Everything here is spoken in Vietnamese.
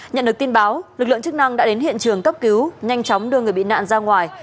nhận được tin báo lực lượng chức năng đã đến hiện trường cấp cứu nhanh chóng đưa người bị nạn ra ngoài